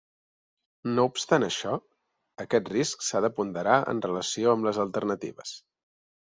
No obstant això, aquest risc s'ha de ponderar en relació amb les alternatives.